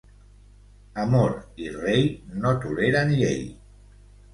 Amor i rei no toleren llei.